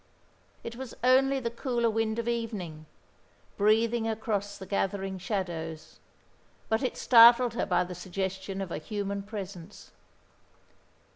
It was only the cooler wind of evening, breathing across the gathering shadows, but it startled her by the suggestion of a human presence.